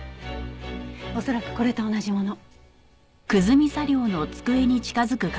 恐らくこれと同じもの。